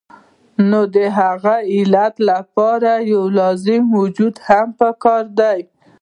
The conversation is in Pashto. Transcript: نو د هغې علت د پاره يو لازمي وجود هم پکار دے